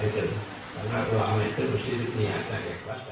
karena ruangnya itu harus dihiasan